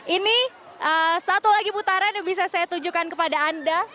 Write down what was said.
ini satu lagi putaran yang bisa saya tunjukkan kepada anda